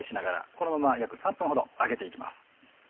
このまま約３分ほど揚げていきます。